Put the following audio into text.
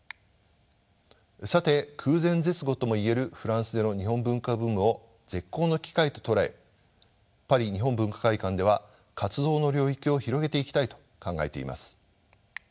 さて空前絶後とも言えるフランスでの日本文化ブームを絶好の機会と捉えパリ日本文化会館では活動の領域を広げていきたいと考えています。